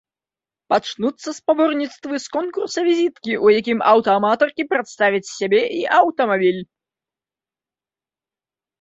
Пачнуцца спаборніцтвы з конкурса-візіткі, у якім аўтааматаркі прадставяць сябе і аўтамабіль.